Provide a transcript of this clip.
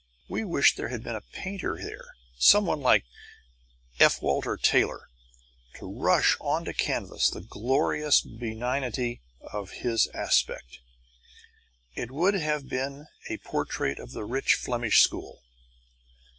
We wish there had been a painter there someone like F. Walter Taylor to rush onto canvas the gorgeous benignity of his aspect. It would have been a portrait of the rich Flemish school.